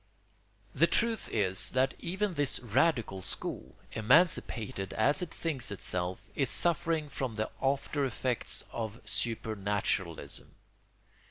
] The truth is that even this radical school, emancipated as it thinks itself, is suffering from the after effects of supernaturalism.